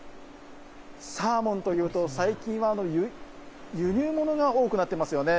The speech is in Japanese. サーモンというと、最近は輸入物が多くなってますよね。